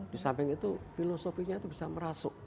di samping itu filosofinya itu bisa merasuk